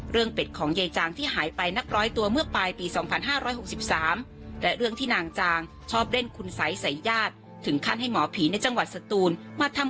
เรื่องเป็ดของเย็นจางที่หายไปนักร้อยตัวเมื่อปลายปีสองพันห้าร้อยหกสิบสาม